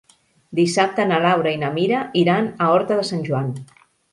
Dissabte na Laura i na Mira iran a Horta de Sant Joan.